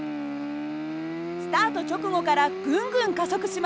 スタート直後からぐんぐん加速します。